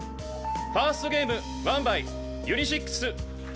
ファーストゲームワンバイユニシックス。